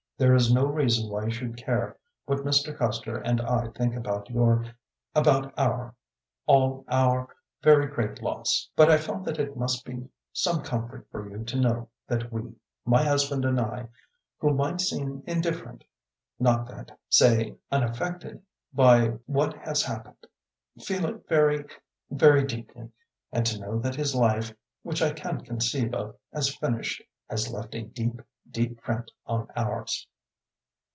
"There is no reason why you should care what Mr. Custer and I think about your about our all our very great loss. But I felt that it must be some comfort for you to know that we, my husband and I, who might seem indifferent not that say unaffected by what has happened, feel it very, very deeply; and to know that his life, which I can't conceive of as finished, has left a deep, deep print on ours."